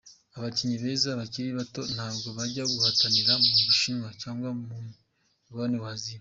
"Abakinnyi beza bakiri bato ntabwo bajya guhatanira mu Bushinwa cyangwa ku mugabane w'Aziya.